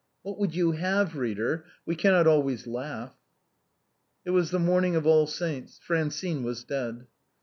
What would you have, reader? we cannot always laugh. It was the morning of All Saints'. Francine was dead.